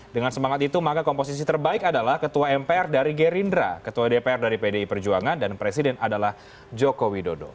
dengan semangat itu maka komposisi terbaik adalah ketua mpr dari gerindra ketua dpr dari pdi perjuangan dan presiden adalah joko widodo